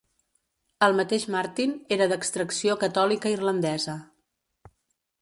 El mateix Martin era d'extracció catòlica irlandesa.